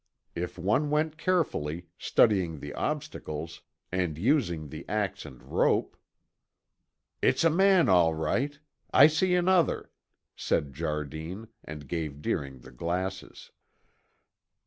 If one went carefully, studying the obstacles, and using the ax and rope "It's a man all right. I see another," said Jardine and gave Deering the glasses.